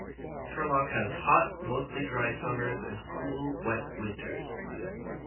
Turlock has hot, mostly dry summers and cool, wet winters.